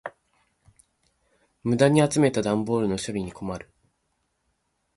無駄に集めた段ボールの処理に困る。